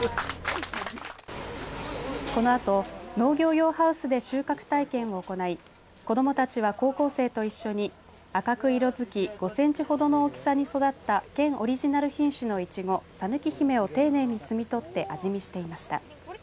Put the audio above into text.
このあと農業用ハウスで収穫体験を行い子どもたちは高校生と一緒に赤く色づき５センチほどの大きさに育った県オリジナル品種のいちごさぬきひめを丁寧に摘み取って味見していました。